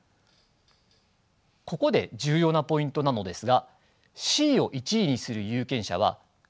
ここで重要なポイントなのですがＣを１位にする有権者は２人しかいません。